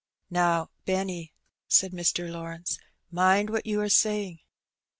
"Now, Benny," said Mr. Lawrence, "mind what you are saying."